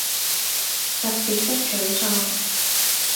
特別的沮喪